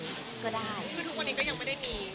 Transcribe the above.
ก็ได้คือทุกวันนี้ก็ยังไม่ได้มี